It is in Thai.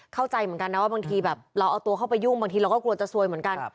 เข้าใจเหมือนกันนะว่าบางทีแบบเราเอาตัวเข้าไปยุ่งบางทีเราก็กลัวจะซวยเหมือนกัน